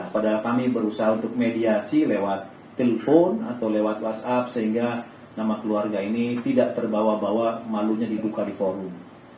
padahal kami berusaha untuk mediasi lewat telepon atau lewat whatsapp sehingga nama keluarga ini tidak terbawa bawa malunya dibuka di forum